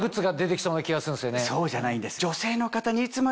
そうじゃないんです。